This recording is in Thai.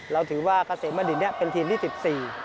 เราถือว่าเกษตร์บาดินเป็นทีมที่๑๔